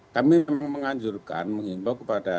kami menganjurkan mengimbau kepada